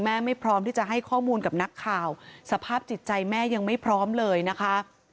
ไม่พร้อมที่จะให้ข้อมูลกับนักข่าวสภาพจิตใจแม่ยังไม่พร้อมเลยนะคะ